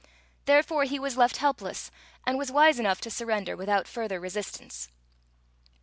Therefore he was left helpless, and was wise enough to surrender without further resistance.